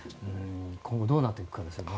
今後どうなっていくかですね。